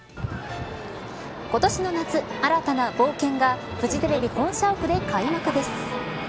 今年の夏、新たな冒険がフジテレビ本社屋で開幕です。